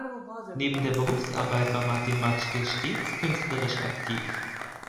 Neben der Berufsarbeit war Martin Matschke stets künstlerisch aktiv.